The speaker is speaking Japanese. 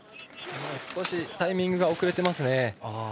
少しタイミングが遅れています。